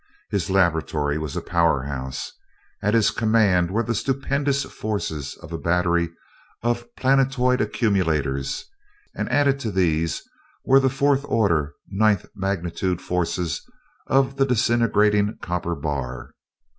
His laboratory was a power house; at his command were the stupendous forces of a battery of planetoid accumulators, and added to these were the fourth order, ninth magnitude forces of the disintegrating copper bar.